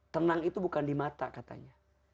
tenang itu bukan di mata katanya